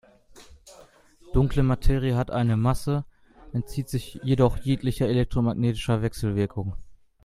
Dunkle Materie hat eine Masse, entzieht sich jedoch jeglicher elektromagnetischer Wechselwirkung.